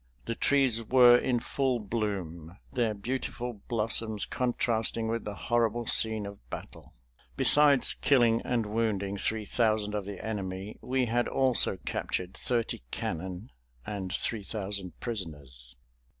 The trees were in full bloom, their beautiful blossoms contrasting with the horrible scene of battle. Besides killing and wounding three thousand of the enemy, we had also captured thirty cannon and three thousand prisoners.